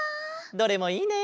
どれもいいね！